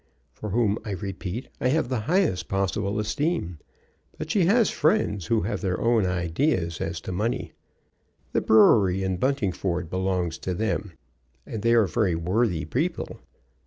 "For whom, I repeat, I have the highest possible esteem. But she has friends who have their own ideas as to money. The brewery in Buntingford belongs to them, and they are very worthy people.